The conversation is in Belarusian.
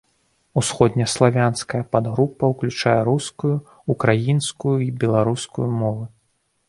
Усходнеславянская падгрупа ўключае рускую, украінскую і беларускую мовы.